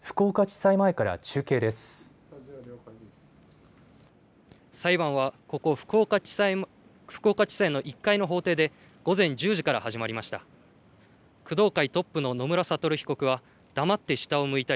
裁判はここ福岡地裁の１階の法廷で午前１０時から始まりました。